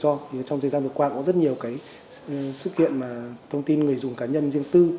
trong thời gian vừa qua có rất nhiều sự kiện thông tin người dùng cá nhân riêng tư